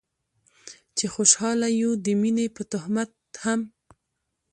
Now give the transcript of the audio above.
چې خوشحاله يو د مينې په تهمت هم